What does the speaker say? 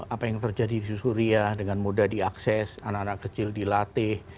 apa yang terjadi di suria dengan mudah diakses anak anak kecil dilatih